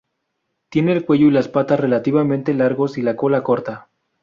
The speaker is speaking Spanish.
Tiene el cuello y las patas relativamente largos y la cola corta.